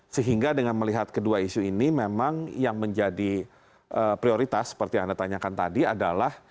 sehingga dengan melihat kedua isu ini memang yang menjadi prioritas seperti yang anda tanyakan tadi adalah